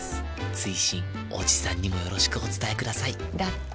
追伸おじさんにもよろしくお伝えくださいだって。